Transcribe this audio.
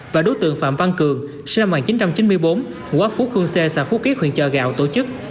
và đối tượng phạm văn cường sinh năm một nghìn chín trăm chín mươi bốn ngũ ốc phú khương xê xã phú kiếp huyện trà gạo tổ chức